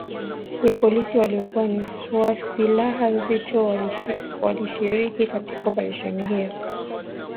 ya polisi waliokuwa na silaha nzito walishiriki katika operesheni hiyo